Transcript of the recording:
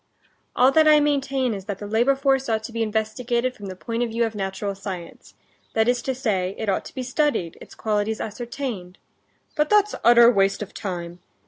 "All that I maintain is that the labor force ought to be investigated from the point of view of natural science; that is to say, it ought to be studied, its qualities ascertained...." "But that's utter waste of time.